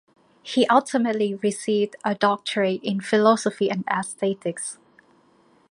He ultimately received a doctorate in philosophy and aesthetics.